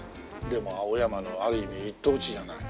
でも青山のある意味一等地じゃない。